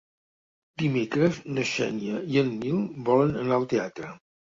Dimecres na Xènia i en Nil volen anar al teatre.